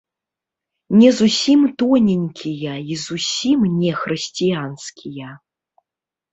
Не зусім тоненькія і зусім не хрысціянскія.